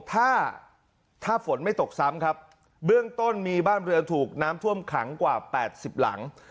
ถ้าถ้าฝนไม่ตกซ้ำครับเบื้องต้นมีบ้านเรือถูกน้ำท่วมขังกว่า๘๐หลัง